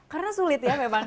karena sulit ya memang